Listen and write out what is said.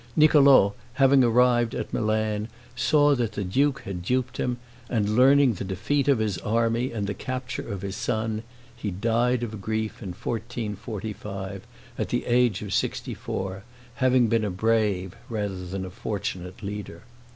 Niccolo having arrived at Milan saw that the duke had duped him, and learning the defeat of his army and the capture of his son, he died of grief in 1445, at the age of sixty four, having been a brave rather than a fortunate leader.